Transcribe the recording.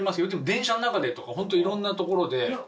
電車の中でとかホントいろんな所でいや